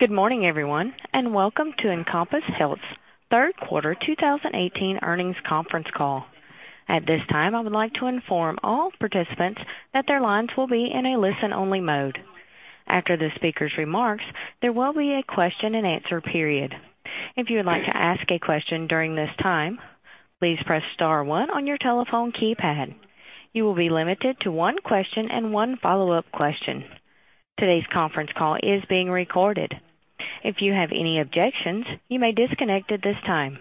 Good morning, everyone. Welcome to Encompass Health's third quarter 2018 earnings conference call. At this time, I would like to inform all participants that their lines will be in a listen-only mode. After the speaker's remarks, there will be a question and answer period. If you would like to ask a question during this time, please press star one on your telephone keypad. You will be limited to one question and one follow-up question. Today's conference call is being recorded. If you have any objections, you may disconnect at this time.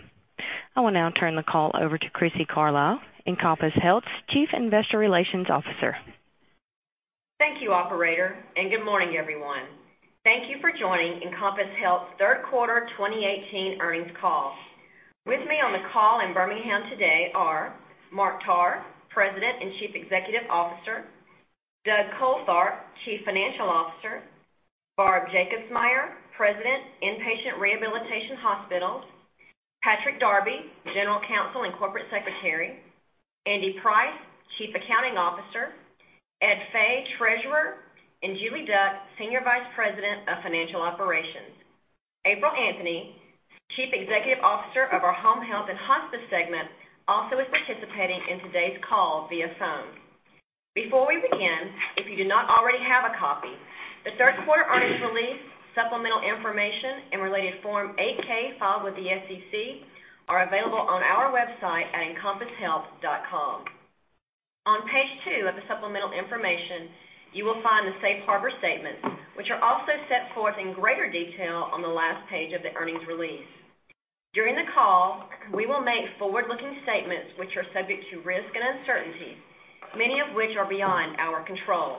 I will now turn the call over to Crissy Carlisle, Encompass Health's Chief Investor Relations Officer. Thank you, operator. Good morning, everyone. Thank you for joining Encompass Health's third quarter 2018 earnings call. With me on the call in Birmingham today are Mark Tarr, President and Chief Executive Officer, Douglas Coltharp, Chief Financial Officer, Barb Jacobsmeyer, President, Inpatient Rehabilitation Hospitals, Patrick Darby, General Counsel and Corporate Secretary, Andy Price, Chief Accounting Officer, Ed Fay, Treasurer, and Julie Duck, Senior Vice President of Financial Operations. April Anthony, Chief Executive Officer of our Home Health and Hospice segment, also is participating in today's call via phone. Before we begin, if you do not already have a copy, the third quarter earnings release, supplemental information, and related Form 8-K filed with the SEC are available on our website at encompasshealth.com. On page two of the supplemental information, you will find the safe harbor statement, which are also set forth in greater detail on the last page of the earnings release. During the call, we will make forward-looking statements which are subject to risks and uncertainties, many of which are beyond our control.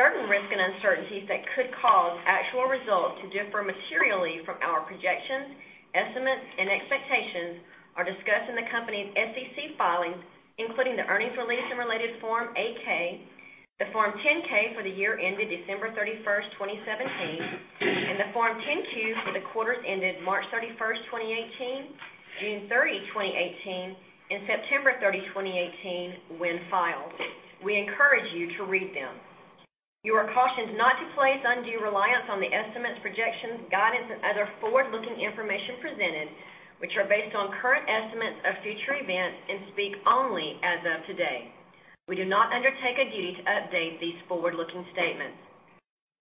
Certain risks and uncertainties that could cause actual results to differ materially from our projections, estimates, and expectations are discussed in the company's SEC filings, including the earnings release and related Form 8-K, the Form 10-K for the year ended December 31st, 2017, and the Form 10-Q for the quarters ended March 31st, 2018, June 30, 2018, and September 30, 2018, when filed. We encourage you to read them. You are cautioned not to place undue reliance on the estimates, projections, guidance, and other forward-looking information presented, which are based on current estimates of future events and speak only as of today. We do not undertake a duty to update these forward-looking statements.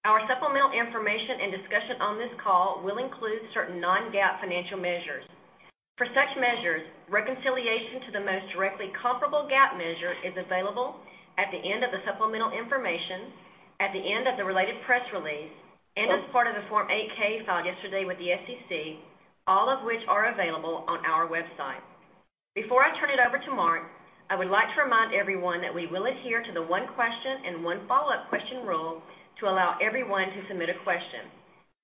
Our supplemental information and discussion on this call will include certain non-GAAP financial measures. For such measures, reconciliation to the most directly comparable GAAP measure is available at the end of the supplemental information, at the end of the related press release, and as part of the Form 8-K filed yesterday with the SEC, all of which are available on our website. Before I turn it over to Mark, I would like to remind everyone that we will adhere to the one question and one follow-up question rule to allow everyone to submit a question.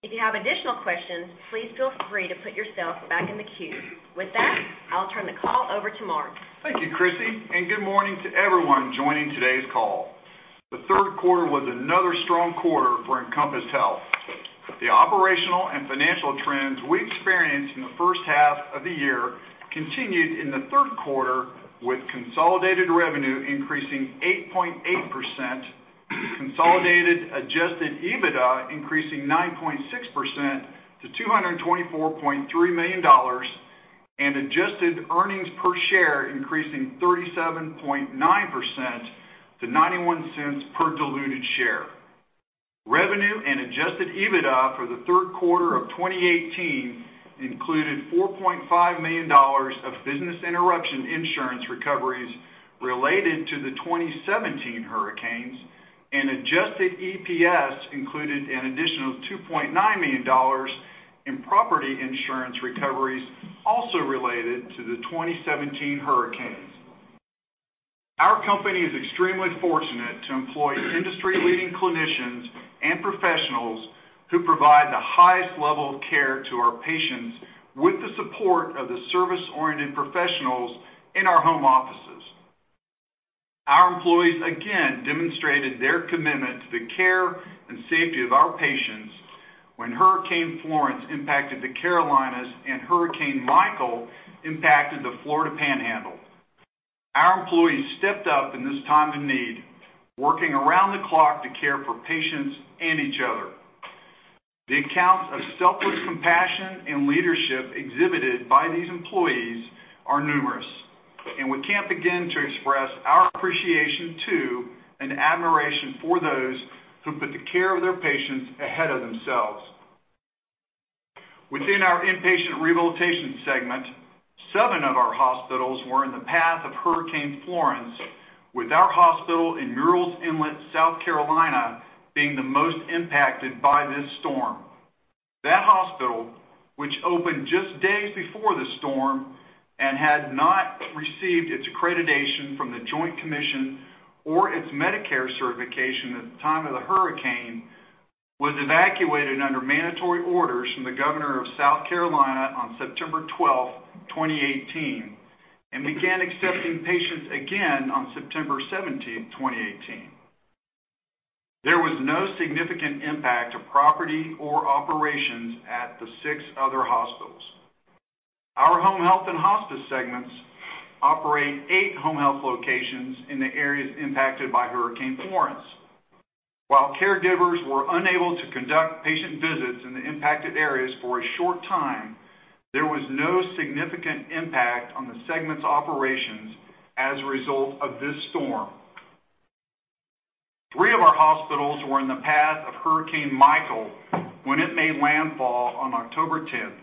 If you have additional questions, please feel free to put yourself back in the queue. With that, I'll turn the call over to Mark. Thank you, Crissy, good morning to everyone joining today's call. The third quarter was another strong quarter for Encompass Health. The operational and financial trends we experienced in the first half of the year continued in the third quarter, with consolidated revenue increasing 8.8%, consolidated adjusted EBITDA increasing 9.6% to $224.3 million, and adjusted earnings per share increasing 37.9% to $0.91 per diluted share. Revenue and adjusted EBITDA for the third quarter of 2018 included $4.5 million of business interruption insurance recoveries related to the 2017 hurricanes. Adjusted EPS included an additional $2.9 million in property insurance recoveries also related to the 2017 hurricanes. Our company is extremely fortunate to employ industry-leading clinicians and professionals who provide the highest level of care to our patients with the support of the service-oriented professionals in our home offices. Our employees again demonstrated their commitment to the care and safety of our patients when Hurricane Florence impacted the Carolinas and Hurricane Michael impacted the Florida Panhandle. Our employees stepped up in this time of need, working around the clock to care for patients and each other. The accounts of selfless compassion and leadership exhibited by these employees are numerous. We can't begin to express our appreciation to and admiration for those who put the care of their patients ahead of themselves. Within our inpatient rehabilitation segment, seven of our hospitals were in the path of Hurricane Florence, with our hospital in Murrells Inlet, South Carolina, being the most impacted by this storm. That hospital, which opened just days before the storm and had not received its accreditation from The Joint Commission or its Medicare certification at the time of the hurricane, was evacuated under mandatory orders from the Governor of South Carolina on September 12th, 2018. Began accepting patients again on September 17th, 2018. There was no significant impact to property or operations at the six other hospitals. Our home health and hospice segments operate eight home health locations in the areas impacted by Hurricane Florence. While caregivers were unable to conduct patient visits in the impacted areas for a short time, there was no significant impact on the segment's operations as a result of this storm. Three of our hospitals were in the path of Hurricane Michael when it made landfall on October 10th.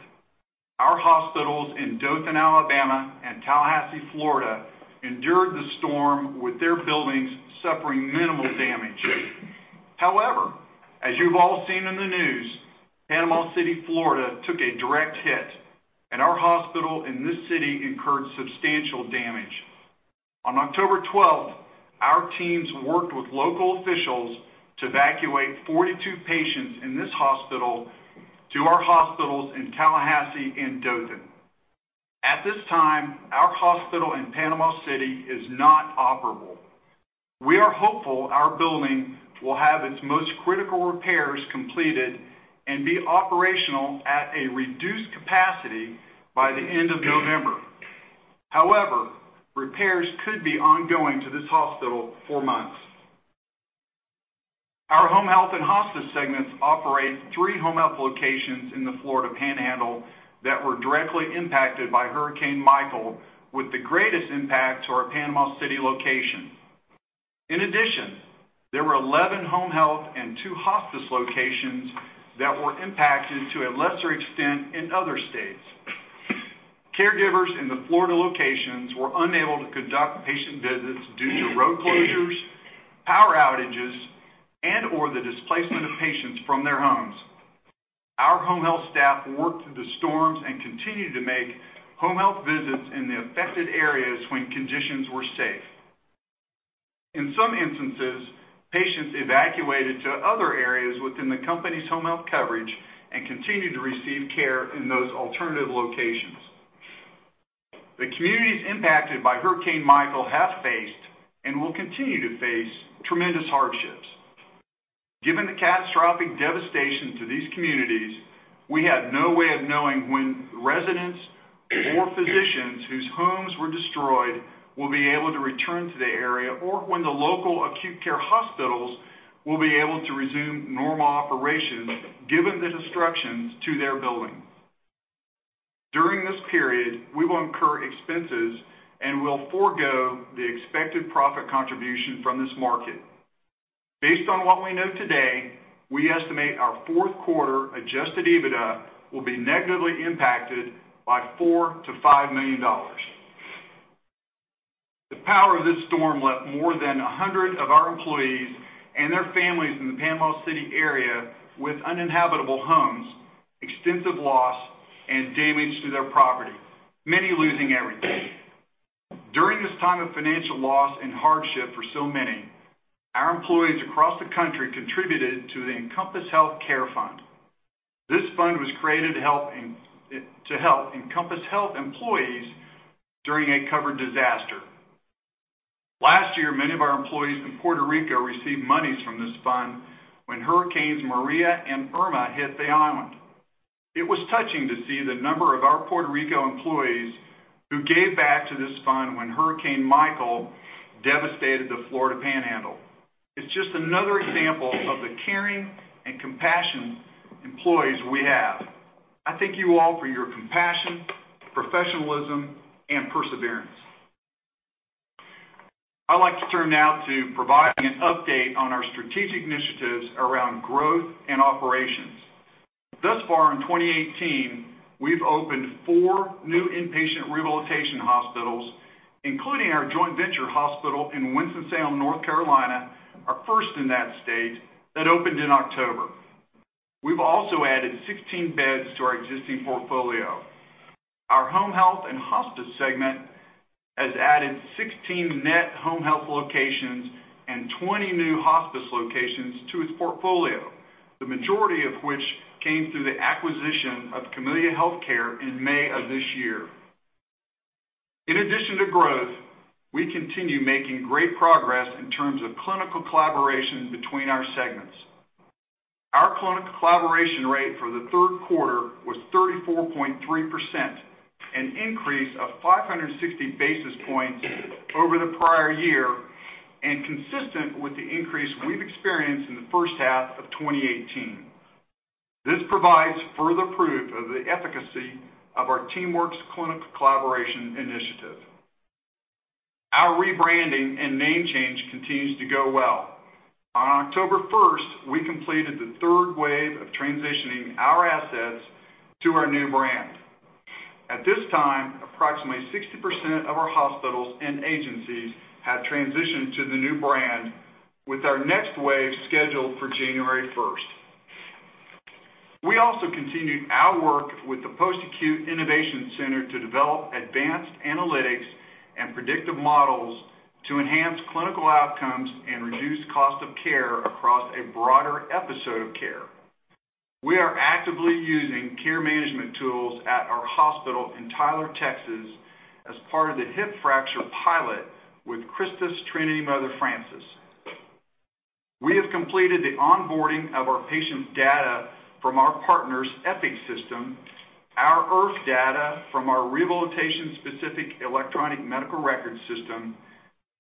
Our hospitals in Dothan, Alabama, and Tallahassee, Florida, endured the storm with their buildings suffering minimal damage. However, as you've all seen in the news, Panama City, Florida, took a direct hit, and our hospital in this city incurred substantial damage. On October 12th, our teams worked with local officials to evacuate 42 patients in this hospital to our hospitals in Tallahassee and Dothan. At this time, our hospital in Panama City is not operable. We are hopeful our building will have its most critical repairs completed and be operational at a reduced capacity by the end of November. Repairs could be ongoing to this hospital for months. Our home health and hospice segments operate three home health locations in the Florida Panhandle that were directly impacted by Hurricane Michael, with the greatest impact to our Panama City location. In addition, there were 11 home health and two hospice locations that were impacted to a lesser extent in other states. Caregivers in the Florida locations were unable to conduct patient visits due to road closures, power outages, and/or the displacement of patients from their homes. Our home health staff worked through the storms and continued to make home health visits in the affected areas when conditions were safe. In some instances, patients evacuated to other areas within the company's home health coverage and continued to receive care in those alternative locations. The communities impacted by Hurricane Michael have faced, and will continue to face, tremendous hardships. Given the catastrophic devastation to these communities, we have no way of knowing when residents or physicians whose homes were destroyed will be able to return to the area, or when the local acute care hospitals will be able to resume normal operations given the destructions to their buildings. During this period, we will incur expenses and will forgo the expected profit contribution from this market. Based on what we know today, we estimate our fourth quarter adjusted EBITDA will be negatively impacted by $4 million-$5 million. The power of this storm left more than 100 of our employees and their families in the Panama City area with uninhabitable homes, extensive loss, and damage to their property, many losing everything. During this time of financial loss and hardship for so many, our employees across the country contributed to the Encompass Health Care Fund. This fund was created to help Encompass Health employees during a covered disaster. Last year, many of our employees in Puerto Rico received monies from this fund when Hurricanes Maria and Irma hit the island. It was touching to see the number of our Puerto Rico employees who gave back to this fund when Hurricane Michael devastated the Florida Panhandle. It's just another example of the caring and compassion employees we have. I thank you all for your compassion, professionalism, and perseverance. I'd like to turn now to providing an update on our strategic initiatives around growth and operations. Thus far in 2018, we've opened four new inpatient rehabilitation hospitals, including our joint venture hospital in Winston-Salem, North Carolina, our first in that state, that opened in October. We've also added 16 beds to our existing portfolio. Our home health and hospice segment has added 16 net home health locations and 20 new hospice locations to its portfolio, the majority of which came through the acquisition of Camellia Healthcare in May of this year. In addition to growth, we continue making great progress in terms of clinical collaboration between our segments. Our clinical collaboration rate for the third quarter was 34.3%, an increase of 560 basis points over the prior year and consistent with the increase we've experienced in the first half of 2018. This provides further proof of the efficacy of our TeamWorks clinical collaboration initiative. Our rebranding and name change continues to go well. On October 1st, we completed the third wave of transitioning our assets to our new brand. At this time, approximately 60% of our hospitals and agencies have transitioned to the new brand with our next wave scheduled for January 1st. We also continued our work with the Post-Acute Innovation Center to develop advanced analytics and predictive models to enhance clinical outcomes and reduce cost of care across a broader episode of care. We are actively using care management tools at our hospital in Tyler, Texas, as part of the hip fracture pilot with CHRISTUS Trinity Mother Frances. We have completed the onboarding of our patients' data from our partners' Epic system, our IRF data from our rehabilitation-specific electronic medical records system,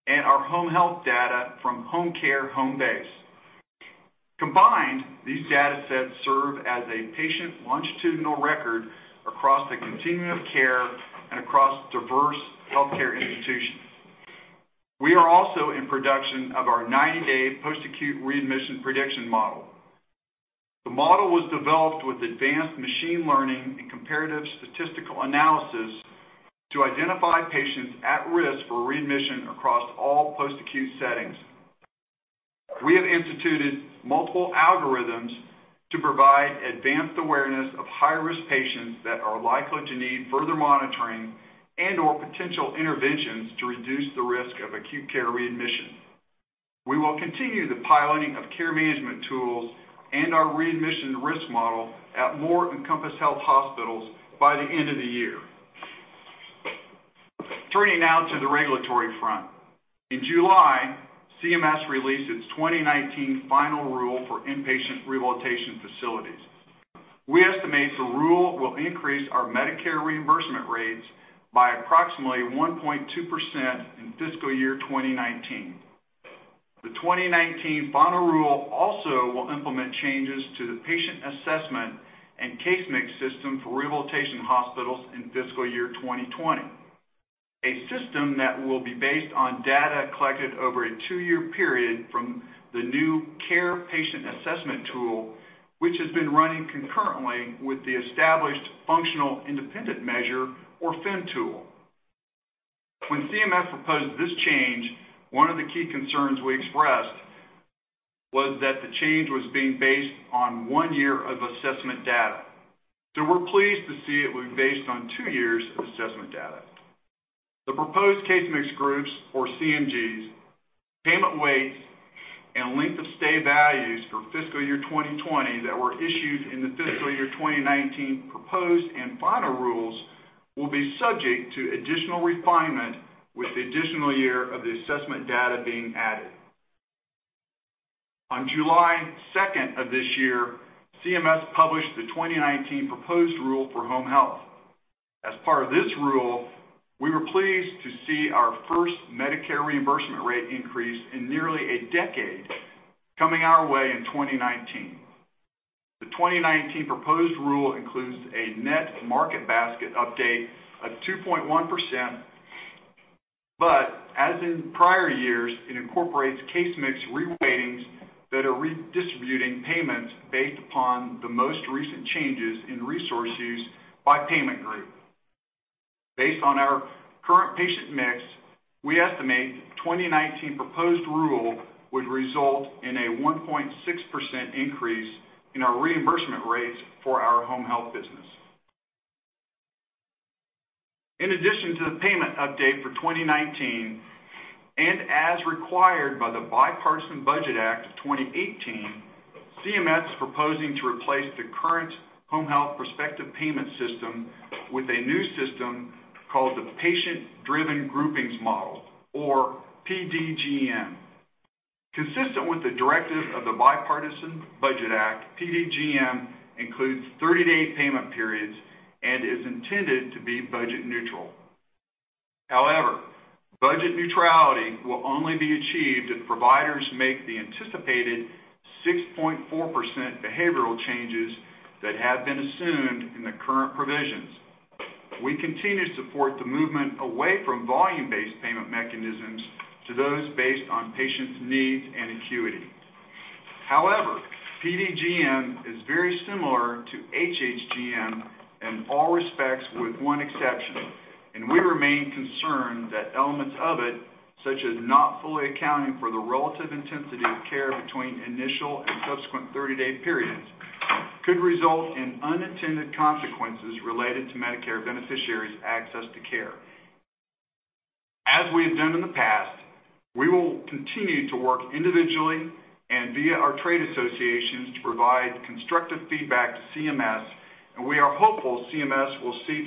and our home health data from Homecare Homebase. Combined, these data sets serve as a patient longitudinal record across the continuum of care and across diverse healthcare institutions. We are also in production of our 90-day post-acute readmission prediction model. The model was developed with advanced machine learning and comparative statistical analysis to identify patients at risk for readmission across all post-acute settings. We have instituted multiple algorithms to provide advanced awareness of high-risk patients that are likely to need further monitoring and/or potential interventions to reduce the risk of acute care readmission. We will continue the piloting of care management tools and our readmission risk model at more Encompass Health hospitals by the end of the year. Turning now to the regulatory front. In July, CMS released its 2019 final rule for inpatient rehabilitation facilities. We estimate the rule will increase our Medicare reimbursement rates by approximately 1.2% in fiscal year 2019. The 2019 final rule also will implement changes to the patient assessment and case mix system for rehabilitation hospitals in fiscal year 2020. A system that will be based on data collected over a two-year period from the new CARE patient assessment tool, which has been running concurrently with the established functional independent measure, or FIM tool. When CMS proposed this change, one of the key concerns we expressed was that the change was being based on one year of assessment data. We're pleased to see it will be based on two years of assessment data. The proposed Case Mix Groups, or CMGs, payment weights, and length of stay values for fiscal year 2020 that were issued in the fiscal year 2019 proposed and final rules will be subject to additional refinement with the additional year of the assessment data being added. On July 2nd of this year, CMS published the 2019 proposed rule for home health. As part of this rule, we were pleased to see our first Medicare reimbursement rate increase in nearly a decade coming our way in 2019. The 2019 proposed rule includes a net market basket update of 2.1%, but as in prior years, it incorporates case mix reweightings that are redistributing payments based upon the most recent changes in resource use by payment group. Based on our current patient mix, we estimate 2019 proposed rule would result in a 1.6% increase in our reimbursement rates for our home health business. In addition to the payment update for 2019, as required by the Bipartisan Budget Act of 2018, CMS is proposing to replace the current Home Health Prospective Payment System with a new system called the Patient-Driven Groupings Model, or PDGM. Consistent with the directive of the Bipartisan Budget Act, PDGM includes 30-day payment periods and is intended to be budget neutral. However, budget neutrality will only be achieved if providers make the anticipated 6.4% behavioral changes that have been assumed in the current provisions. We continue to support the movement away from volume-based payment mechanisms to those based on patients' needs and acuity. PDGM is very similar to HHGM in all respects with one exception. We remain concerned that elements of it, such as not fully accounting for the relative intensity of care between initial and subsequent 30-day periods, could result in unintended consequences related to Medicare beneficiaries' access to care. As we have done in the past, we will continue to work individually and via our trade associations to provide constructive feedback to CMS. We are hopeful CMS will seek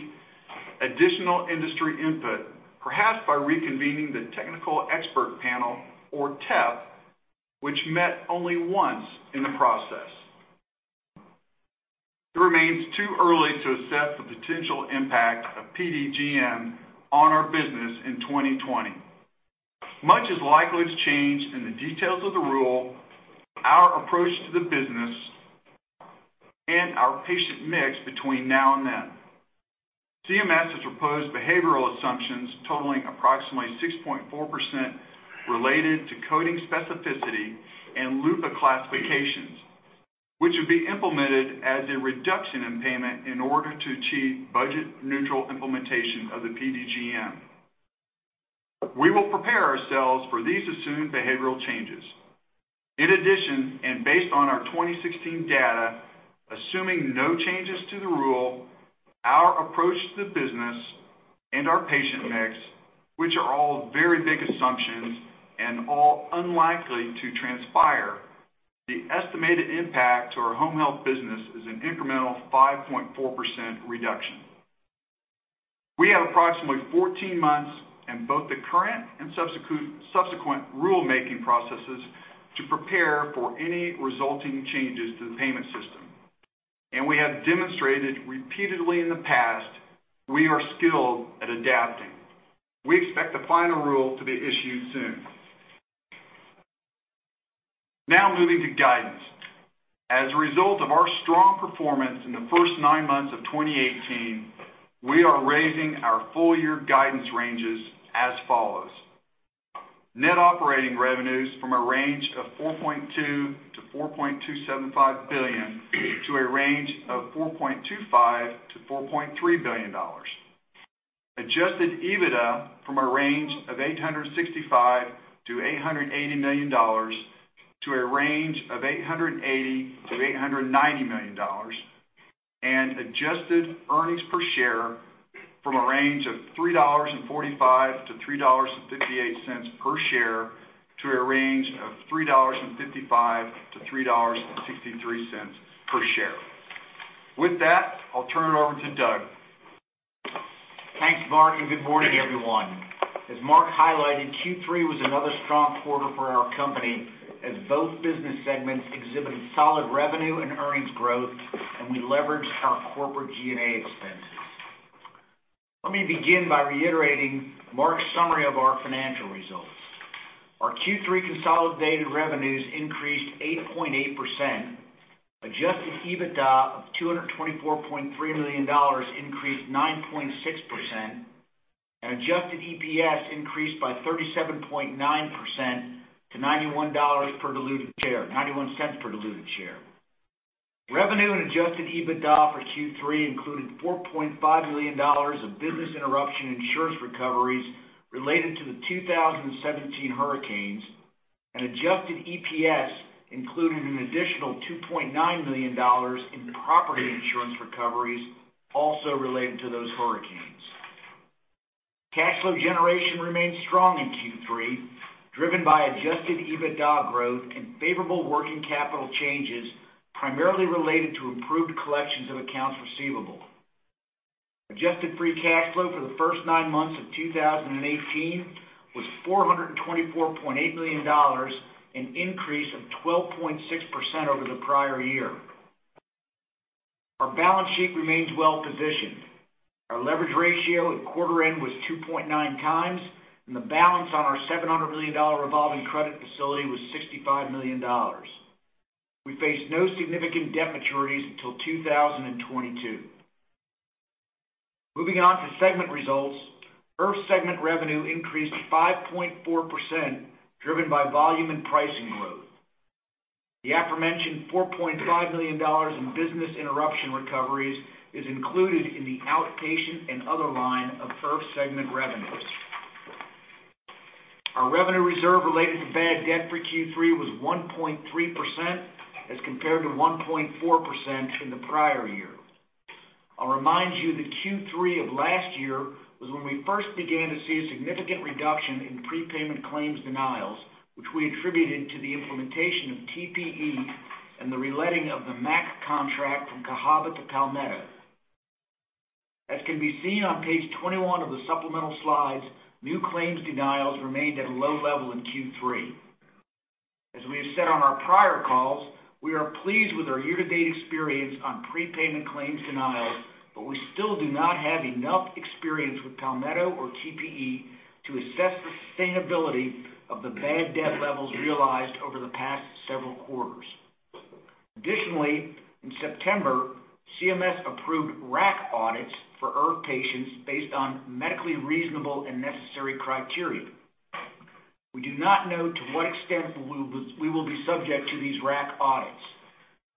additional industry input, perhaps by reconvening the Technical Expert Panel, or TEP, which met only once in the process. It remains too early to assess the potential impact of PDGM on our business in 2020. Much is likely to change in the details of the rule, our approach to the business, and our patient mix between now and then. CMS has proposed behavioral assumptions totaling approximately 6.4% related to coding specificity and LUPA classifications, which would be implemented as a reduction in payment in order to achieve budget neutral implementation of the PDGM. We will prepare ourselves for these assumed behavioral changes. In addition, based on our 2016 data, assuming no changes to the rule, our approach to the business, and our patient mix, which are all very big assumptions and all unlikely to transpire, the estimated impact to our home health business is an incremental 5.4% reduction. We have approximately 14 months in both the current and subsequent rulemaking processes to prepare for any resulting changes to the payment system. We have demonstrated repeatedly in the past, we are skilled at adapting. We expect the final rule to be issued soon. Now moving to guidance. As a result of our strong performance in the first nine months of 2018, we are raising our full-year guidance ranges as follows. Net operating revenues from a range of $4.2 billion to $4.275 billion to a range of $4.25 billion to $4.3 billion. Adjusted EBITDA from a range of $865 million to $880 million to a range of $880 million to $890 million. Adjusted earnings per share from a range of $3.45 to $3.58 per share to a range of $3.55 to $3.63 per share. With that, I'll turn it over to Doug. Thanks, Mark, and good morning, everyone. As Mark highlighted, Q3 was another strong quarter for our company as both business segments exhibited solid revenue and earnings growth, and we leveraged our corporate G&A expenses. Let me begin by reiterating Mark's summary of our financial results. Our Q3 consolidated revenues increased 8.8%, adjusted EBITDA of $224.3 million increased 9.6%, and adjusted EPS increased by 37.9% to $0.91 per diluted share. Revenue and adjusted EBITDA for Q3 included $4.5 million of business interruption insurance recoveries related to the 2017 hurricanes, and adjusted EPS included an additional $2.9 million in property insurance recoveries, also related to those hurricanes. Cash flow generation remained strong in Q3, driven by adjusted EBITDA growth and favorable working capital changes, primarily related to improved collections of accounts receivable. Adjusted free cash flow for the first nine months of 2018 was $424.8 million, an increase of 12.6% over the prior year. Our balance sheet remains well-positioned. Our leverage ratio at quarter end was 2.9 times, and the balance on our $700 million revolving credit facility was $65 million. We face no significant debt maturities until 2022. Moving on to segment results, IRF segment revenue increased 5.4%, driven by volume and pricing growth. The aforementioned $4.5 million in business interruption recoveries is included in the outpatient and other line of IRF segment revenues. Our revenue reserve related to bad debt for Q3 was 1.3%, as compared to 1.4% in the prior year. I'll remind you that Q3 of last year was when we first began to see a significant reduction in prepayment claims denials, which we attributed to the implementation of TPE and the reletting of the MAC contract from Cahaba to Palmetto. As can be seen on page 21 of the supplemental slides, new claims denials remained at a low level in Q3. As we have said on our prior calls, we are pleased with our year-to-date experience on prepayment claims denials, but we still do not have enough experience with Palmetto or TPE to assess the sustainability of the bad debt levels realized over the past several quarters. Additionally, in September, CMS approved RAC audits for IRF patients based on medically reasonable and necessary criteria. We do not know to what extent we will be subject to these RAC audits,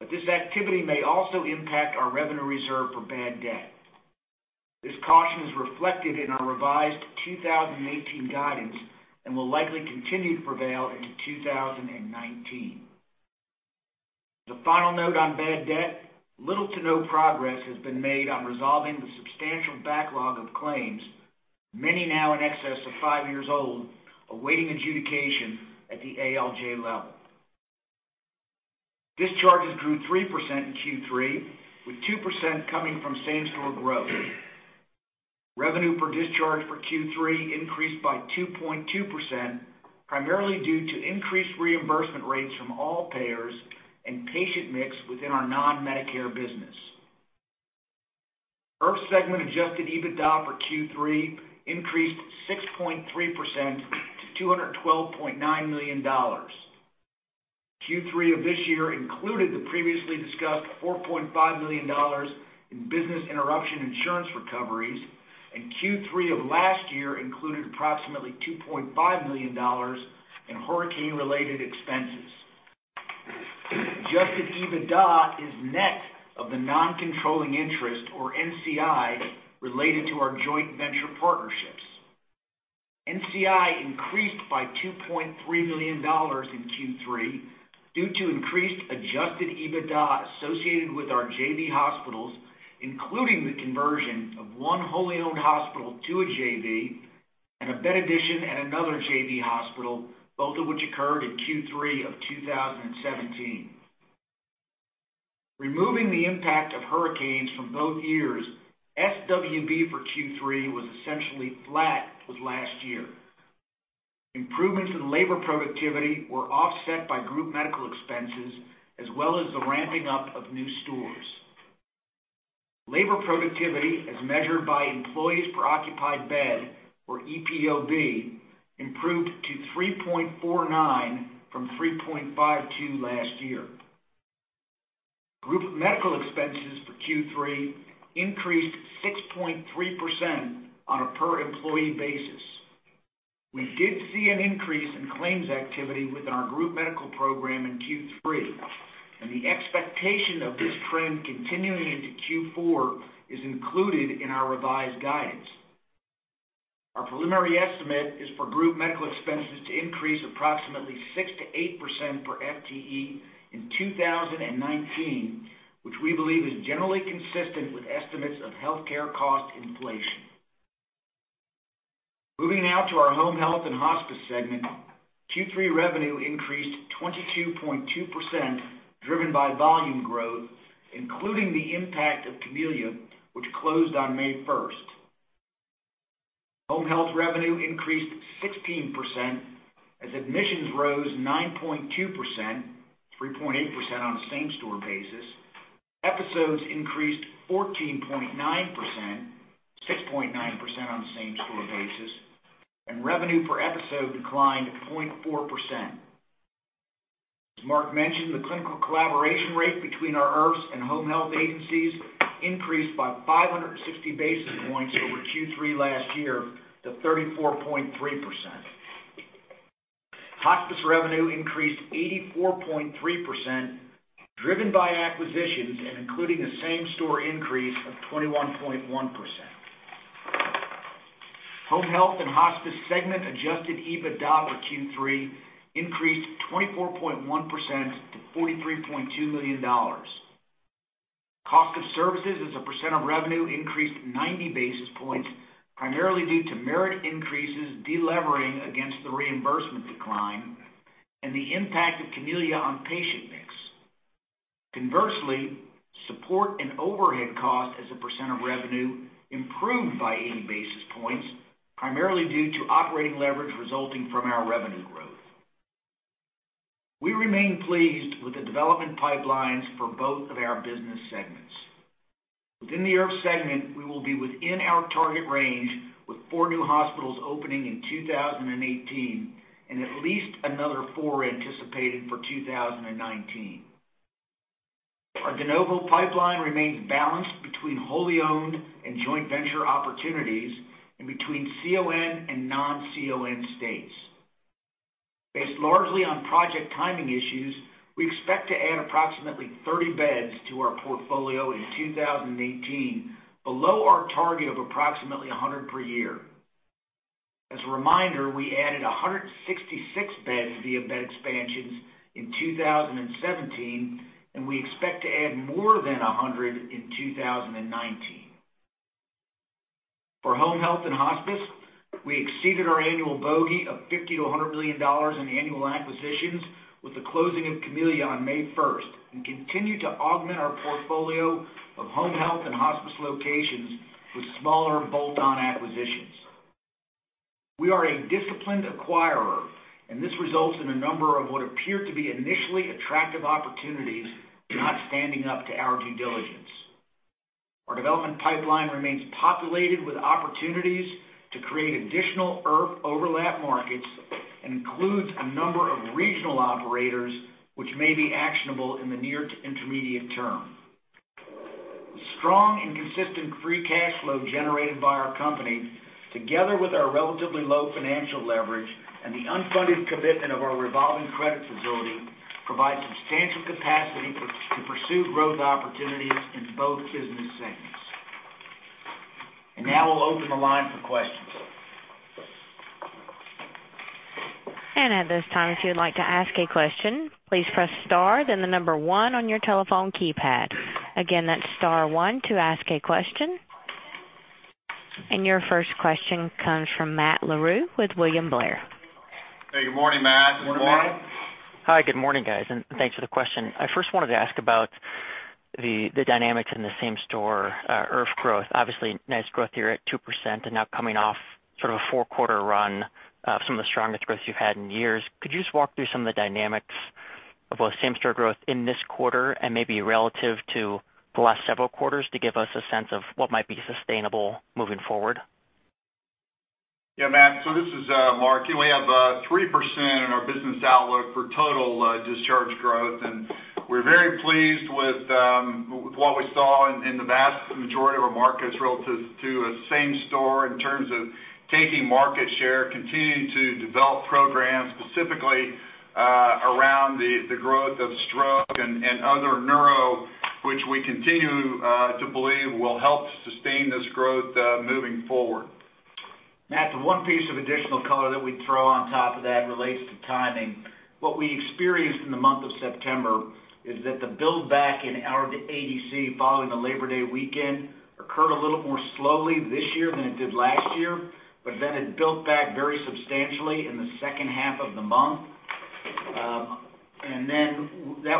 but this activity may also impact our revenue reserve for bad debt. This caution is reflected in our revised 2018 guidance and will likely continue to prevail into 2019. As a final note on bad debt, little to no progress has been made on resolving the substantial backlog of claims, many now in excess of five years old, awaiting adjudication at the ALJ level. Discharges grew 3% in Q3, with 2% coming from same-store growth. Revenue per discharge for Q3 increased by 2.2%, primarily due to increased reimbursement rates from all payers and patient mix within our non-Medicare business. IRF segment adjusted EBITDA for Q3 increased 6.3% to $212.9 million. Q3 of this year included the previously discussed $4.5 million in business interruption insurance recoveries, Q3 of last year included approximately $2.5 million in hurricane-related expenses. Adjusted EBITDA is net of the non-controlling interest or NCI related to our joint venture partnerships. NCI increased by $2.3 million in Q3 due to increased adjusted EBITDA associated with our JV hospitals, including the conversion of one wholly owned hospital to a JV and a bed addition at another JV hospital, both of which occurred in Q3 of 2017. Removing the impact of hurricanes from both years, SWB for Q3 was essentially flat with last year. Improvements in labor productivity were offset by group medical expenses, as well as the ramping up of new stores. Labor productivity, as measured by employees per occupied bed, or EPOB, improved to 3.49 from 3.52 last year. Group medical expenses for Q3 increased 6.3% on a per-employee basis. We did see an increase in claims activity within our group medical program in Q3. The expectation of this trend continuing into Q4 is included in our revised guidance. Our preliminary estimate is for group medical expenses to increase approximately 6%-8% per FTE in 2019, which we believe is generally consistent with estimates of healthcare cost inflation. Moving now to our home health and hospice segment, Q3 revenue increased 22.2%, driven by volume growth, including the impact of Camellia, which closed on May 1st. Home health revenue increased 16% as admissions rose 9.2%, 3.8% on a same-store basis. Episodes increased 14.9%, 6.9% on a same-store basis. Revenue per episode declined 0.4%. As Mark mentioned, the clinical collaboration rate between our IRFs and home health agencies increased by 560 basis points over Q3 last year to 34.3%. Hospice revenue increased 84.3%, driven by acquisitions and including a same-store increase of 21.1%. Home health and hospice segment adjusted EBITDA for Q3 increased 24.1% to $43.2 million. Cost of services as a percent of revenue increased 90 basis points, primarily due to merit increases de-levering against the reimbursement decline and the impact of Camellia on patient mix. Conversely, support and overhead cost as a percent of revenue improved by 80 basis points, primarily due to operating leverage resulting from our revenue growth. We remain pleased with the development pipelines for both of our business segments. Within the IRF segment, we will be within our target range with 4 new hospitals opening in 2018 and at least another 4 anticipated for 2019. Our de novo pipeline remains balanced between wholly owned and joint venture opportunities and between CON and non-CON states. Based largely on project timing issues, we expect to add approximately 30 beds to our portfolio in 2018, below our target of approximately 100 per year. As a reminder, we added 166 beds via bed expansions in 2017. We expect to add more than 100 in 2019. For home health and hospice, we exceeded our annual bogey of $50 million-$100 million in annual acquisitions with the closing of Camellia on May 1st. We continue to augment our portfolio of home health and hospice locations with smaller bolt-on acquisitions. We are a disciplined acquirer. This results in a number of what appear to be initially attractive opportunities not standing up to our due diligence. Our development pipeline remains populated with opportunities to create additional IRF overlap markets and includes a number of regional operators which may be actionable in the near to intermediate term. Strong and consistent free cash flow generated by our company, together with our relatively low financial leverage and the unfunded commitment of our revolving credit facility, provide substantial capacity to pursue growth opportunities in both business segments. Now I'll open the line for questions. At this time, if you'd like to ask a question, please press star then the number one on your telephone keypad. Again, that's star one to ask a question. Your first question comes from Matt Larew with William Blair. Hey, good morning, Matt. Good morning. Hi, good morning, guys, and thanks for the question. I first wanted to ask about the dynamics in the same-store IRF growth. Obviously, nice growth here at 2% and now coming off sort of a four-quarter run of some of the strongest growth you've had in years. Could you just walk through some of the dynamics of both same-store growth in this quarter and maybe relative to the last several quarters to give us a sense of what might be sustainable moving forward? Matt, this is Mark. We have 3% in our business outlook for total discharge growth, and we are very pleased with what we saw in the vast majority of our markets relative to same store in terms of taking market share, continuing to develop programs specifically around the growth of stroke and other neuro, which we continue to believe will help sustain this growth moving forward. Matt, the one piece of additional color that we would throw on top of that relates to timing. What we experienced in the month of September is that the build-back in our ADC following the Labor Day weekend Occurred a little more slowly this year than it did last year, it built back very substantially in the second half of the month. That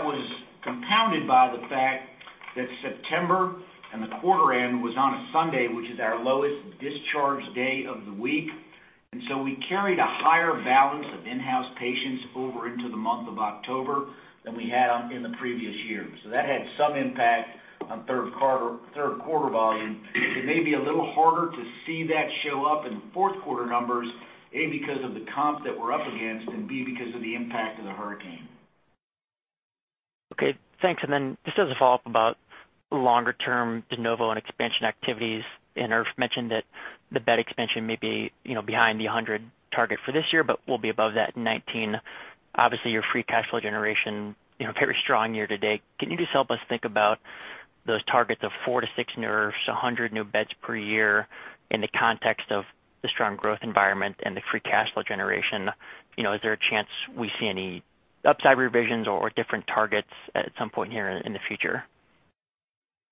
was compounded by the fact that September and the quarter end was on a Sunday, which is our lowest discharge day of the week. We carried a higher balance of in-house patients over into the month of October than we had in the previous year. That had some impact on third quarter volume. It may be a little harder to see that show up in fourth quarter numbers, A, because of the comps that we are up against, and B, because of the impact of the hurricane. Okay, thanks. Just as a follow-up about longer term de novo and expansion activities, Mark mentioned that the bed expansion may be behind the 100 target for this year, but will be above that in 2019. Obviously, your free cash flow generation, very strong year to date. Can you just help us think about those targets of 4-6 new IRFs, 100 new beds per year in the context of the strong growth environment and the free cash flow generation? Is there a chance we see any upside revisions or different targets at some point here in the future?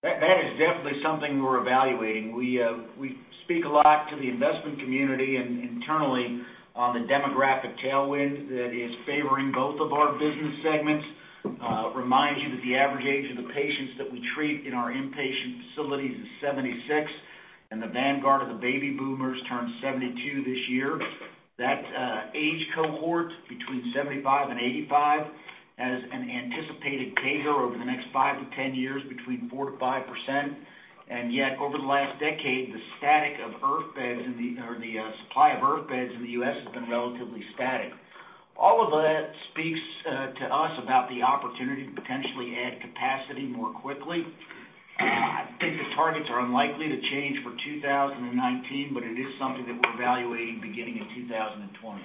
That is definitely something we're evaluating. We speak a lot to the investment community and internally on the demographic tailwind that is favoring both of our business segments. Remind you that the average age of the patients that we treat in our inpatient facilities is 76, and the vanguard of the baby boomers turned 72 this year. That age cohort between 75 and 85 has an anticipated CAGR over the next 5 to 10 years, between 4%-5%. Yet over the last decade, the static of IRF beds or the supply of IRF beds in the U.S. has been relatively static. All of that speaks to us about the opportunity to potentially add capacity more quickly. I think the targets are unlikely to change for 2019, it is something that we're evaluating beginning in 2020.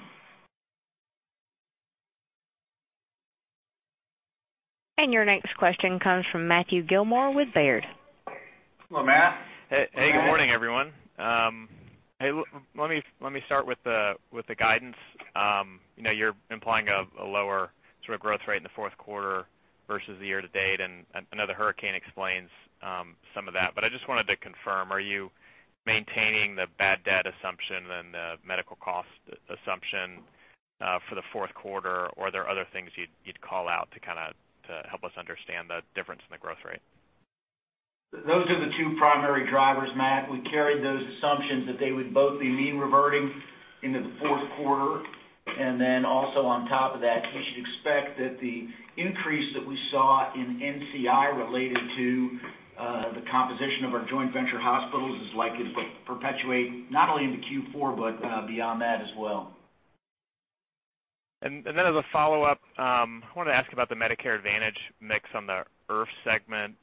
Your next question comes from Matthew Gillmor with Baird. Hello, Matt. Hey, good morning, everyone. Let me start with the guidance. You're implying a lower sort of growth rate in the fourth quarter versus the year to date, I know the hurricane explains some of that. I just wanted to confirm, are you maintaining the bad debt assumption and the medical cost assumption for the fourth quarter, are there other things you'd call out to help us understand the difference in the growth rate? Those are the two primary drivers, Matt. We carried those assumptions that they would both be mean reverting into the fourth quarter. On top of that, you should expect that the increase that we saw in NCI related to the composition of our joint venture hospitals is likely to perpetuate not only into Q4, but beyond that as well. As a follow-up, I wanted to ask about the Medicare Advantage mix on the IRF segment.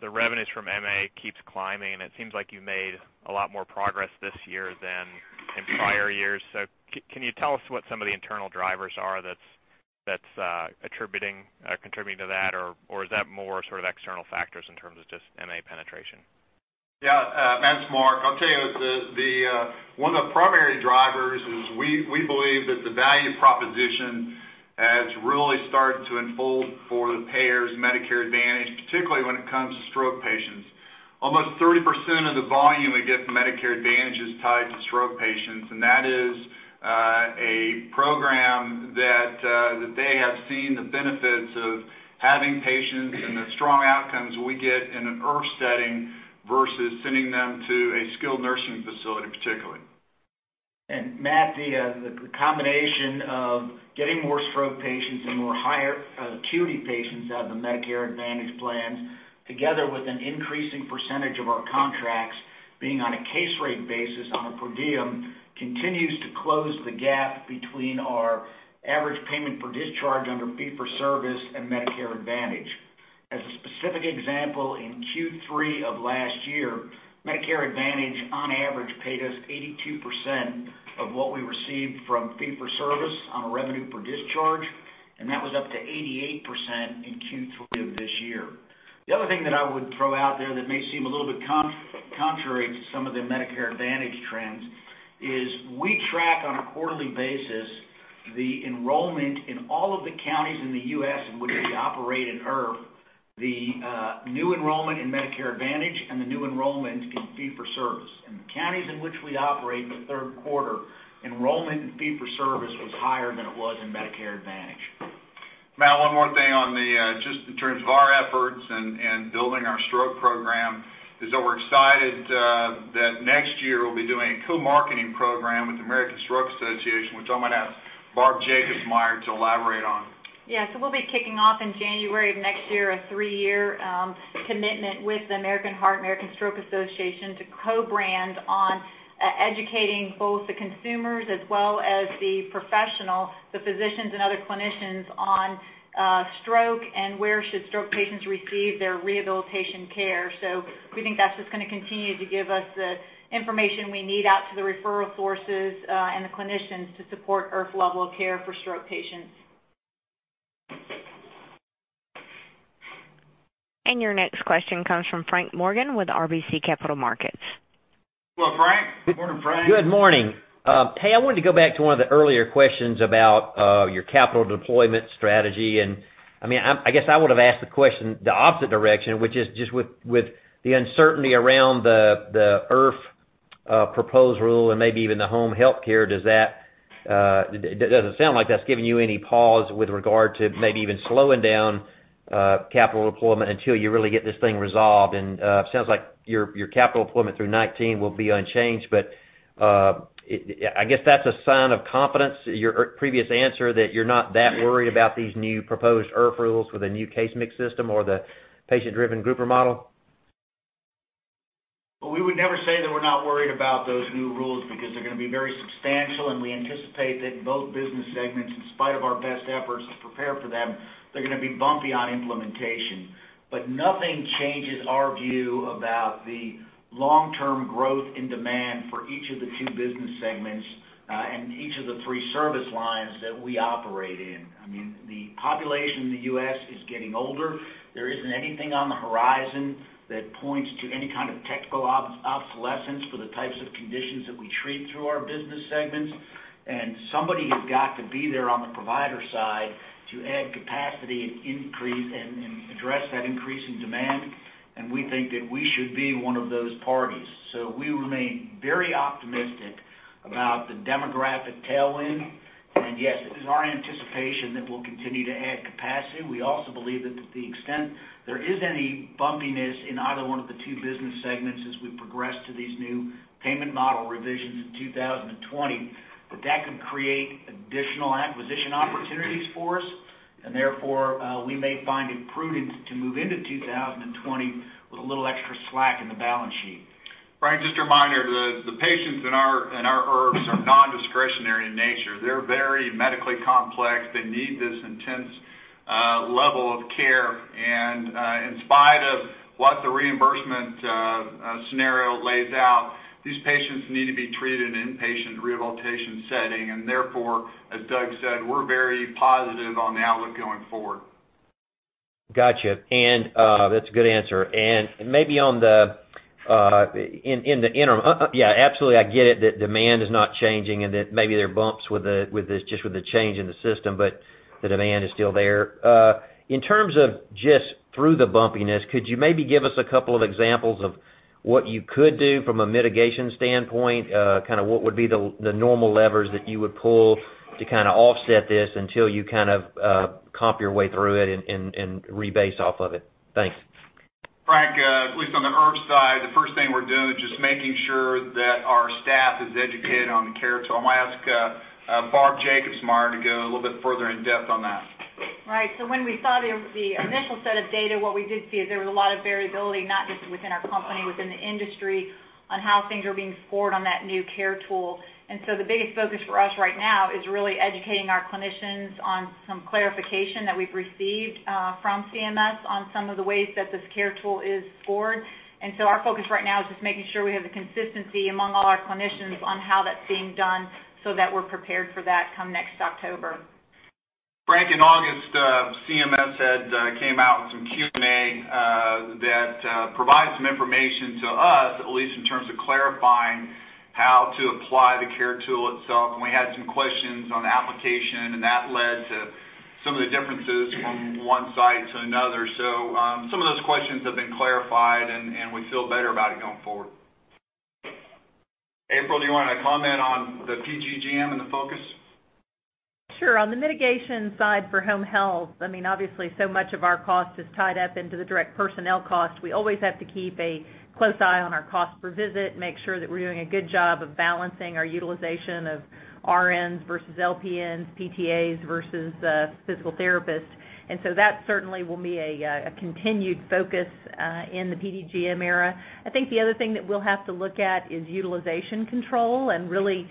The revenues from MA keeps climbing, and it seems like you've made a lot more progress this year than in prior years. Can you tell us what some of the internal drivers are that's contributing to that, or is that more sort of external factors in terms of just MA penetration? Yeah, that's Mark. I'll tell you, one of the primary drivers is we believe that the value proposition has really started to unfold for the payers Medicare Advantage, particularly when it comes to stroke patients. Almost 30% of the volume we get from Medicare Advantage is tied to stroke patients, and that is a program that they have seen the benefits of having patients and the strong outcomes we get in an IRF setting versus sending them to a skilled nursing facility, particularly. Matt, the combination of getting more stroke patients and more higher acuity patients out of the Medicare Advantage plans, together with an increasing percentage of our contracts being on a case rate basis on a per diem continues to close the gap between our average payment per discharge under fee for service and Medicare Advantage. As a specific example, in Q3 of last year, Medicare Advantage on average paid us 82% of what we received from fee for service on a revenue per discharge, and that was up to 88% in Q3 of this year. The other thing that I would throw out there that may seem a little bit contrary to some of the Medicare Advantage trends is we track on a quarterly basis the enrollment in all of the counties in the U.S. in which we operate an IRF, the new enrollment in Medicare Advantage, and the new enrollment in fee for service. In the counties in which we operate in the third quarter, enrollment in fee for service was higher than it was in Medicare Advantage. Matt, one more thing on the just in terms of our efforts and building our stroke program, is that we're excited that next year we'll be doing a co-marketing program with the American Stroke Association, which I'm going to ask Barb Jacobsmeyer to elaborate on. Yeah. We'll be kicking off in January of next year, a 3-year commitment with the American Heart and American Stroke Association to co-brand on educating both the consumers as well as the professional, the physicians, and other clinicians on stroke and where should stroke patients receive their rehabilitation care. We think that's just going to continue to give us the information we need out to the referral sources and the clinicians to support IRF level of care for stroke patients. Your next question comes from Frank Morgan with RBC Capital Markets. Well, Frank. Morning, Frank. Good morning. Mark, I wanted to go back to one of the earlier questions about your capital deployment strategy. I guess I would've asked the question the opposite direction, which is just with the uncertainty around the IRF proposed rule and maybe even the home healthcare, it doesn't sound like that's giving you any pause with regard to maybe even slowing down capital deployment until you really get this thing resolved. It sounds like your capital deployment through 2019 will be unchanged, but I guess that's a sign of confidence, your previous answer, that you're not that worried about these new proposed IRF rules with a new Case Mix system or the Patient-Driven Groupings Model. Well, we would never say that we're not worried about those new rules because they're going to be very substantial, we anticipate that both business segments, in spite of our best efforts to prepare for them, they're going to be bumpy on implementation. Nothing changes our view about the long-term growth in demand for each of the two business segments and each of the three service lines that we operate in. The population in the U.S. is getting older. There isn't anything on the horizon that points to any kind of technical obsolescence for the types of conditions that we treat through our business segments. Somebody has got to be there on the provider side to add capacity and address that increase in demand, we think that we should be one of those parties. We remain very optimistic about the demographic tailwind. Yes, it is our anticipation that we'll continue to add capacity. We also believe that to the extent there is any bumpiness in either one of the two business segments as we progress to these new payment model revisions in 2020, that that can create additional acquisition opportunities for us, therefore, we may find it prudent to move into 2020 with a little extra slack in the balance sheet. Frank, just a reminder, the patients in our IRFs are non-discretionary in nature. They're very medically complex. They need this intense level of care. In spite of what the reimbursement scenario lays out, these patients need to be treated in an inpatient rehabilitation setting, and therefore, as Doug said, we're very positive on the outlook going forward. Gotcha. That's a good answer. Yeah, absolutely. I get it that demand is not changing and that maybe there are bumps just with the change in the system, but the demand is still there. In terms of just through the bumpiness, could you maybe give us a couple of examples of what you could do from a mitigation standpoint, what would be the normal levers that you would pull to offset this until you comp your way through it and rebase off of it? Thanks. Frank, at least on the IRF side, the first thing we're doing is just making sure that our staff is educated on the CARE tool. I'm going to ask Barb Jacobsmeyer to go a little bit further in depth on that. Right. When we saw the initial set of data, what we did see is there was a lot of variability, not just within our company, within the industry, on how things are being scored on that new CARE tool. The biggest focus for us right now is really educating our clinicians on some clarification that we've received from CMS on some of the ways that this CARE tool is scored. Our focus right now is just making sure we have the consistency among all our clinicians on how that's being done so that we're prepared for that come next October. Frank, in August, CMS had come out with some Q&A that provided some information to us, at least in terms of clarifying how to apply the CARE tool itself, and we had some questions on the application, and that led to some of the differences from one site to another. Some of those questions have been clarified, and we feel better about it going forward. April, do you want to comment on the PDGM and the focus? Sure. On the mitigation side for home health, obviously so much of our cost is tied up into the direct personnel cost. We always have to keep a close eye on our cost per visit, make sure that we're doing a good job of balancing our utilization of RNs versus LPNs, PTAs versus physical therapists. That certainly will be a continued focus in the PDGM era. I think the other thing that we'll have to look at is utilization control, and really,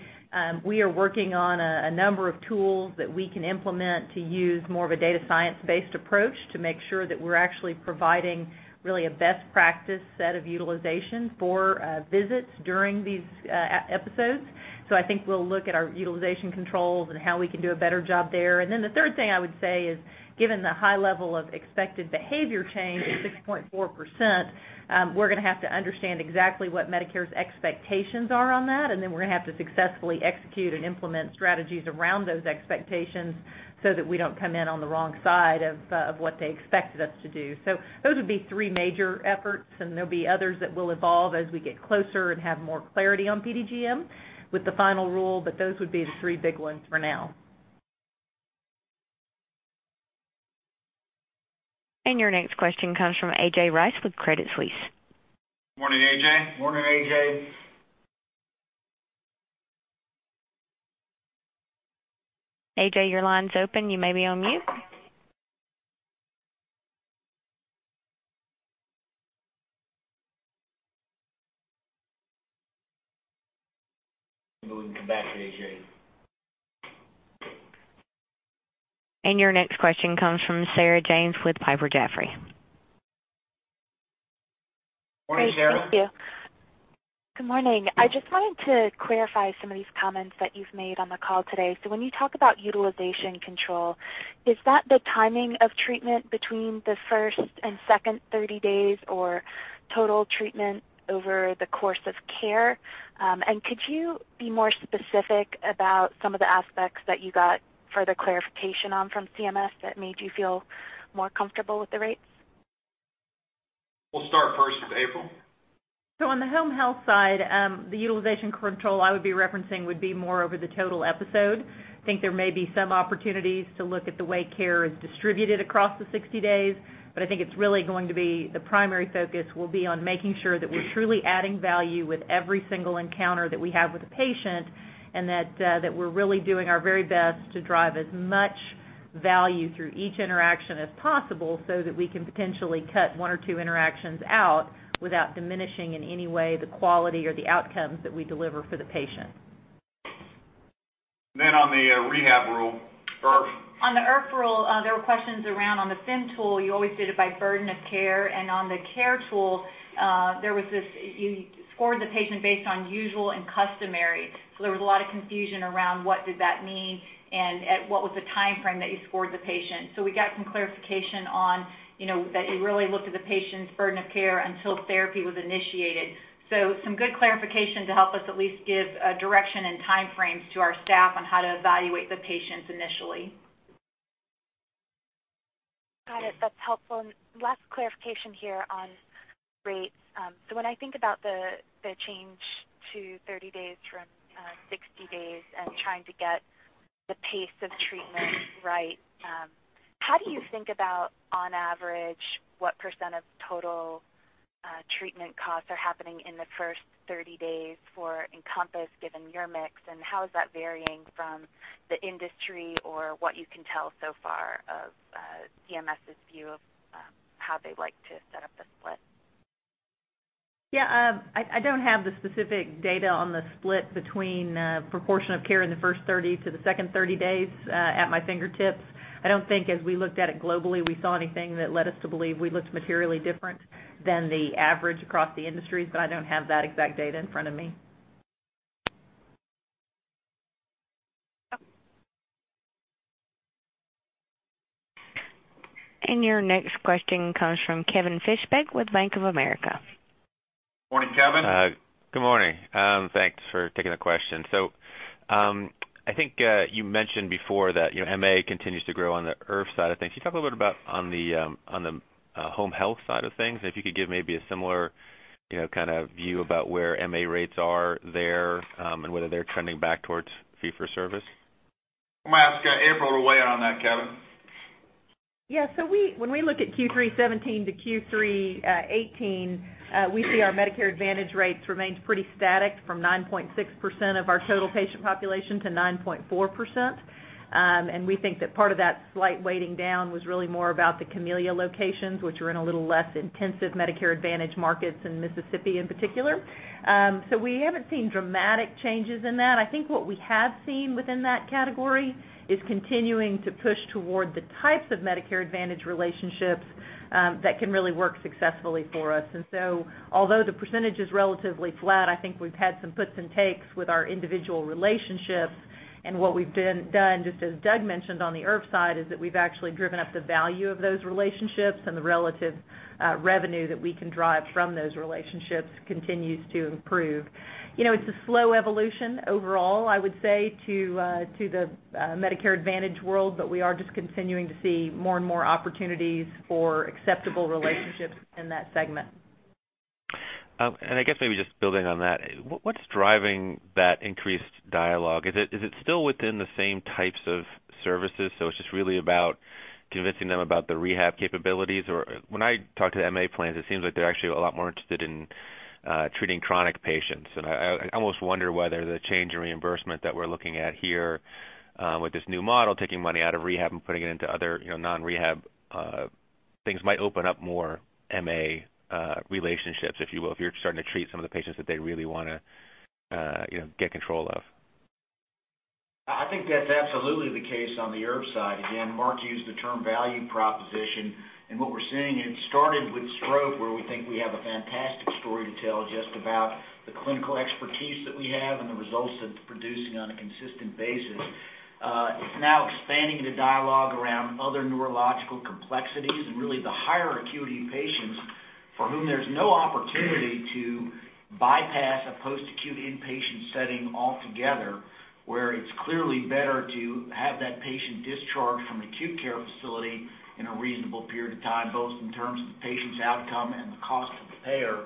we are working on a number of tools that we can implement to use more of a data science-based approach to make sure that we're actually providing really a best practice set of utilization for visits during these episodes. I think we'll look at our utilization controls and how we can do a better job there. The third thing I would say is, given the high level of expected behavior change at 6.4%, we're going to have to understand exactly what Medicare's expectations are on that, and then we're going to have to successfully execute and implement strategies around those expectations so that we don't come in on the wrong side of what they expected us to do. Those would be three major efforts, and there'll be others that will evolve as we get closer and have more clarity on PDGM with the final rule. Those would be the three big ones for now. Your next question comes from A.J. Rice with Credit Suisse. Morning, AJ. Morning, AJ. AJ, your line's open. You may be on mute. Maybe we can come back to AJ. Your next question comes from Sarah James with Piper Jaffray. Morning, Sarah. Great. Thank you. Good morning. I just wanted to clarify some of these comments that you've made on the call today. When you talk about utilization control, is that the timing of treatment between the first and second 30 days or total treatment over the course of care. Could you be more specific about some of the aspects that you got further clarification on from CMS that made you feel more comfortable with the rates? We'll start first with April. On the home health side, the utilization control I would be referencing would be more over the total episode. I think there may be some opportunities to look at the way care is distributed across the 60 days, but I think it's really going to be the primary focus will be on making sure that we're truly adding value with every single encounter that we have with a patient, and that we're really doing our very best to drive as much value through each interaction as possible so that we can potentially cut one or two interactions out without diminishing in any way the quality or the outcomes that we deliver for the patient. On the rehab rule, IRF. On the IRF rule, there were questions around on the FIM tool, you always did it by burden of care. On the CARE tool, you scored the patient based on usual and customary. There was a lot of confusion around what did that mean, and what was the timeframe that you scored the patient. We got some clarification on that you really looked at the patient's burden of care until therapy was initiated. Some good clarification to help us at least give direction and timeframes to our staff on how to evaluate the patients initially. Got it. That's helpful. Last clarification here on rates. When I think about the change to 30 days from 60 days and trying to get the pace of treatment right, how do you think about, on average, what % of total treatment costs are happening in the first 30 days for Encompass given your mix, and how is that varying from the industry or what you can tell so far of CMS's view of how they like to set up the split? Yeah. I don't have the specific data on the split between proportion of care in the first 30 to the second 30 days at my fingertips. I don't think as we looked at it globally, we saw anything that led us to believe we looked materially different than the average across the industry, but I don't have that exact data in front of me. Okay. Your next question comes from Kevin Fischbeck with Bank of America. Morning, Kevin. Good morning. Thanks for taking the question. I think you mentioned before that MA continues to grow on the IRF side of things. Can you talk a little bit about on the home health side of things, and if you could give maybe a similar view about where MA rates are there, and whether they're trending back towards fee for service? I'm going to ask April to weigh in on that, Kevin. When we look at Q3 2017 to Q3 2018, we see our Medicare Advantage rates remained pretty static from 9.6% of our total patient population to 9.4%. We think that part of that slight weighting down was really more about the Camellia locations, which were in a little less intensive Medicare Advantage markets in Mississippi in particular. We haven't seen dramatic changes in that. I think what we have seen within that category is continuing to push toward the types of Medicare Advantage relationships that can really work successfully for us. Although the percentage is relatively flat, I think we've had some puts and takes with our individual relationships. What we've done, just as Doug mentioned on the IRF side, is that we've actually driven up the value of those relationships and the relative revenue that we can drive from those relationships continues to improve. It's a slow evolution overall, I would say, to the Medicare Advantage world, we are just continuing to see more and more opportunities for acceptable relationships in that segment. I guess maybe just building on that, what's driving that increased dialogue? Is it still within the same types of services, so it's just really about convincing them about the rehab capabilities? When I talk to the MA plans, it seems like they're actually a lot more interested in treating chronic patients. I almost wonder whether the change in reimbursement that we're looking at here with this new model, taking money out of rehab and putting it into other non-rehab things might open up more MA relationships, if you will, if you're starting to treat some of the patients that they really want to get control of. I think that's absolutely the case on the IRF side. Again, Mark used the term value proposition, what we're seeing, it started with stroke, where we think we have a fantastic story to tell just about the clinical expertise that we have and the results that it's producing on a consistent basis. It's now expanding the dialogue around other neurological complexities and really the higher acuity patients for whom there's no opportunity to bypass a post-acute inpatient setting altogether, where it's clearly better to have that patient discharged from acute care facility in a reasonable period of time, both in terms of the patient's outcome and the cost of the payer,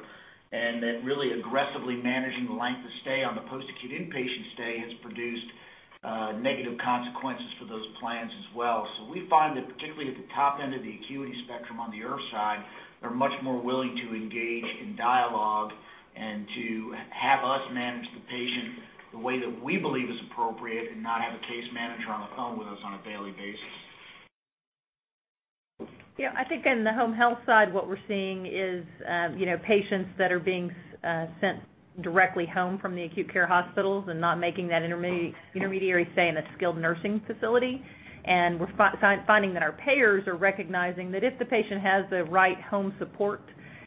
that really aggressively managing the length of stay on the post-acute inpatient stay has produced negative consequences for those plans as well. We find that particularly at the top end of the acuity spectrum on the IRF side, they're much more willing to engage in dialogue and to have us manage the patient the way that we believe is appropriate and not have a case manager on the phone with us on a daily basis. Yeah, I think in the home health side, what we're seeing is patients that are being sent directly home from the acute care hospitals and not making that intermediary stay in a skilled nursing facility. We're finding that our payers are recognizing that if the patient has the right home support,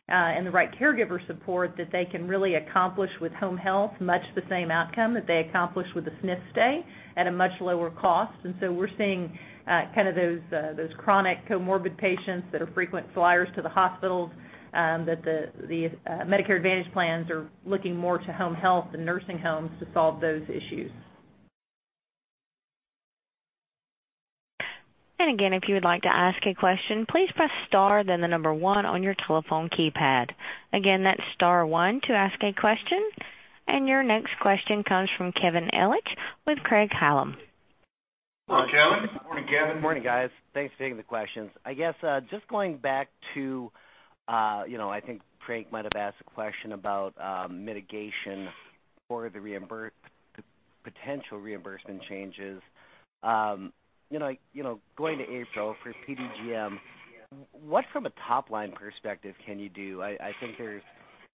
and the right caregiver support, that they can really accomplish with home health much the same outcome that they accomplish with a SNF stay at a much lower cost. We're seeing those chronic comorbid patients that are frequent flyers to the hospitals, that the Medicare Advantage plans are looking more to home health than nursing homes to solve those issues. Again, if you would like to ask a question, please press star then the number one on your telephone keypad. Again, that's star one to ask a question. Your next question comes from Kevin Ellich with Craig-Hallum. Hello, Kevin. Morning, Kevin. Morning, guys. Thanks for taking the questions. I guess, just going back to, I think Frank might have asked a question about mitigation for the potential reimbursement changes. Going to April, for PDGM, what from a top-line perspective can you do? I think there's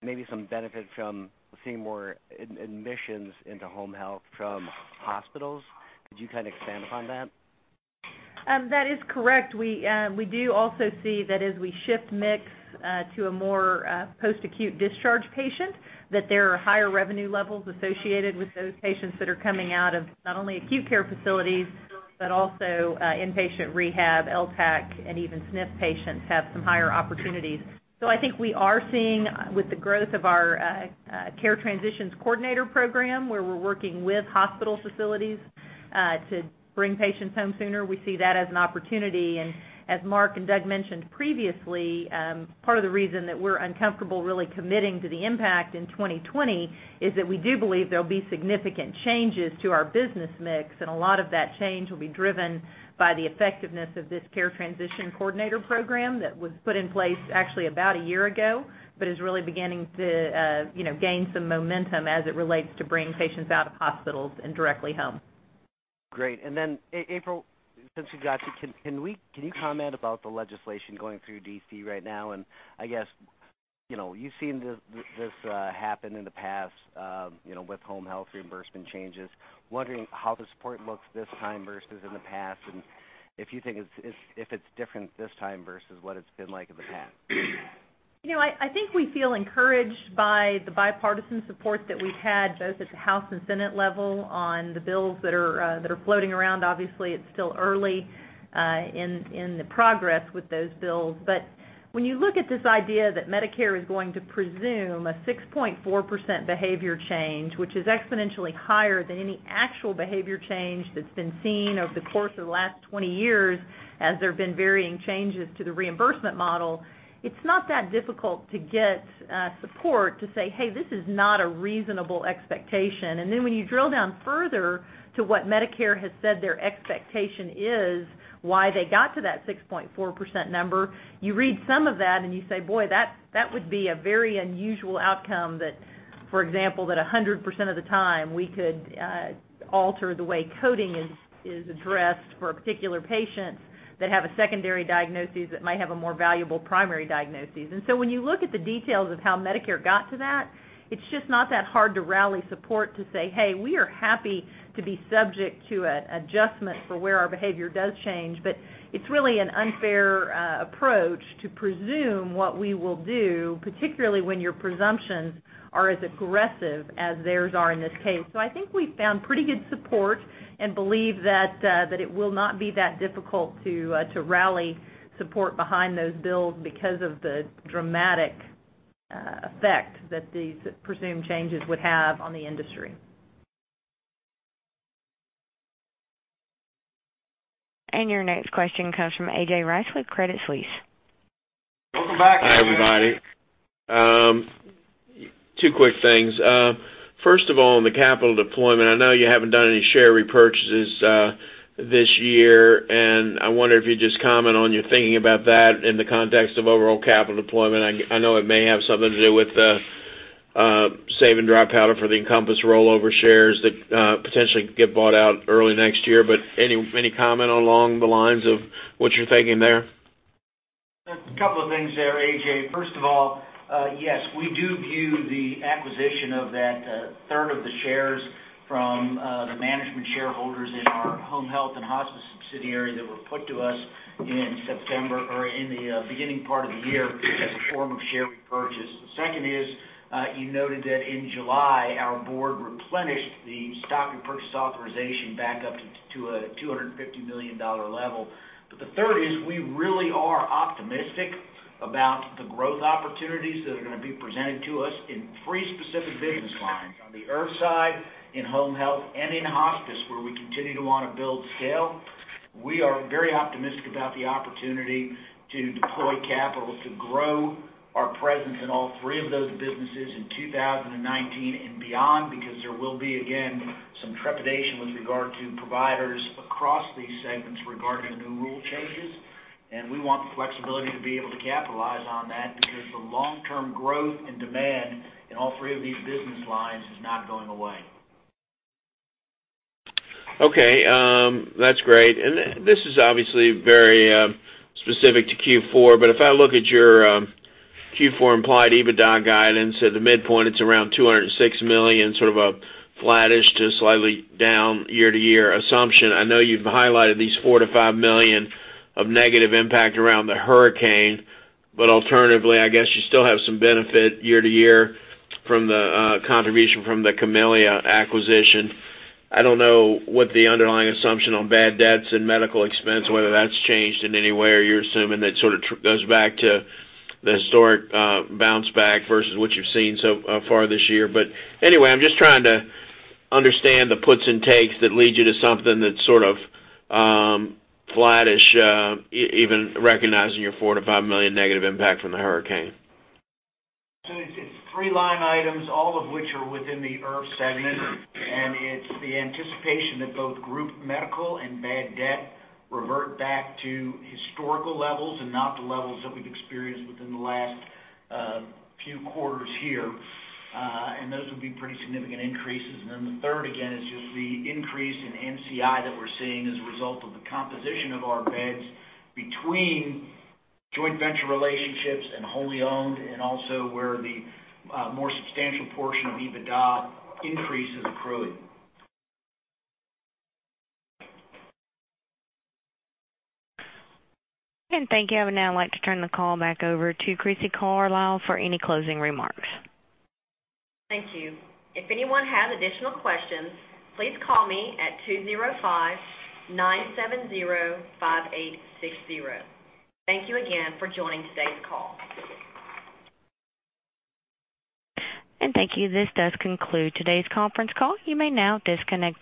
maybe some benefit from seeing more admissions into home health from hospitals. Could you expand upon that? That is correct. We do also see that as we shift mix to a more post-acute discharge patient, that there are higher revenue levels associated with those patients that are coming out of not only acute care facilities, but also inpatient rehab, LTAC, and even SNF patients have some higher opportunities. I think we are seeing with the growth of our Care Transitions Coordinator program, where we're working with hospital facilities to bring patients home sooner, we see that as an opportunity. As Mark and Doug mentioned previously, part of the reason that we're uncomfortable really committing to the impact in 2020 is that we do believe there'll be significant changes to our business mix, and a lot of that change will be driven by the effectiveness of this Care Transition Coordinator program that was put in place actually about a year ago, but is really beginning to gain some momentum as it relates to bringing patients out of hospitals and directly home. Great. April, since we got you, can you comment about the legislation going through D.C. right now? I guess, you've seen this happen in the past, with home health reimbursement changes. Wondering how the support looks this time versus in the past, and if you think it's different this time versus what it's been like in the past? I think we feel encouraged by the bipartisan support that we've had, both at the House and Senate level on the bills that are floating around. Obviously, it's still early in the progress with those bills. When you look at this idea that Medicare is going to presume a 6.4% behavior change, which is exponentially higher than any actual behavior change that's been seen over the course of the last 20 years as there have been varying changes to the reimbursement model, it's not that difficult to get support to say, "Hey, this is not a reasonable expectation." When you drill down further to what Medicare has said their expectation is, why they got to that 6.4% number, you read some of that and you say, "Boy, that would be a very unusual outcome that, for example, that 100% of the time we could alter the way coding is addressed for particular patients that have a secondary diagnoses that might have a more valuable primary diagnoses." When you look at the details of how Medicare got to that, it's just not that hard to rally support to say, "Hey, we are happy to be subject to an adjustment for where our behavior does change." It's really an unfair approach to presume what we will do, particularly when your presumptions are as aggressive as theirs are in this case. I think we've found pretty good support and believe that it will not be that difficult to rally support behind those bills because of the dramatic effect that these presumed changes would have on the industry. Your next question comes from A.J. Rice with Credit Suisse. Welcome back, A.J. Hi, everybody. Two quick things. First of all, on the capital deployment, I know you haven't done any share repurchases this year, I wonder if you'd just comment on your thinking about that in the context of overall capital deployment. I know it may have something to do with saving dry powder for the Encompass rollover shares that potentially get bought out early next year, any comment along the lines of what you're thinking there? A couple of things there, A.J. First of all, yes, we do view the acquisition of that third of the shares from the management shareholders in our home health and hospice subsidiary that were put to us in September or in the beginning part of the year as a form of share repurchase. The second is, you noted that in July, our board replenished the stock repurchase authorization back up to a $250 million level. The third is, we really are optimistic about the growth opportunities that are going to be presented to us in three specific business lines, on the IRF side, in home health, and in hospice, where we continue to want to build scale. We are very optimistic about the opportunity to deploy capital to grow our presence in all three of those businesses in 2019 and beyond, because there will be, again, some trepidation with regard to providers across these segments regarding new rule changes. We want the flexibility to be able to capitalize on that because the long-term growth and demand in all three of these business lines is not going away. Okay, that's great. This is obviously very specific to Q4, if I look at your Q4 implied EBITDA guidance, at the midpoint, it's around $206 million, sort of a flattish to slightly down year-to-year assumption. I know you've highlighted these $4 million-$5 million of negative impact around the hurricane, alternatively, I guess you still have some benefit year-to-year from the contribution from the Camellia acquisition. I don't know what the underlying assumption on bad debts and medical expense, whether that's changed in any way, or you're assuming that sort of goes back to the historic bounce back versus what you've seen so far this year. Anyway, I'm just trying to understand the puts and takes that lead you to something that's sort of flattish, even recognizing your $4 million-$5 million negative impact from the hurricane. It's three line items, all of which are within the IRF segment, it's the anticipation that both group medical and bad debt revert back to historical levels and not the levels that we've experienced within the last few quarters here. Those would be pretty significant increases. Then the third, again, is just the increase in NCI that we're seeing as a result of the composition of our beds between joint venture relationships and wholly owned, also where the more substantial portion of EBITDA increase is accruing. Thank you. I would now like to turn the call back over to Crissy Carlisle for any closing remarks. Thank you. If anyone has additional questions, please call me at 205-970-5860. Thank you again for joining today's call. Thank you. This does conclude today's conference call. You may now disconnect.